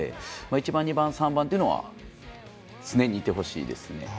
１番、２番、３番は常にいてほしいですね。